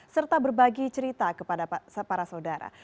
serta berbagi cerita kepada para saudara